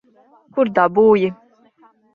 Kur dabūji?